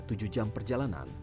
tujuh jam perjalanan